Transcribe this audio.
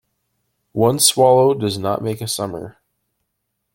One swallow does not make a summer.